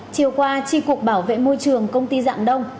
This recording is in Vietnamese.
chiều qua tri cục bảo vệ môi trường công ty dạng đông